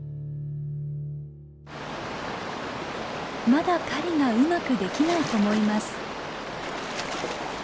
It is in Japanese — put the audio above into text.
まだ狩りがうまくできない子もいます。